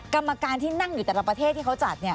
กรรมการที่นั่งอยู่แต่ละประเทศที่เขาจัดเนี่ย